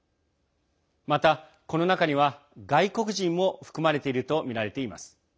また、この中には外国人も含まれているとみられています。